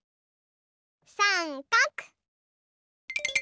さんかく！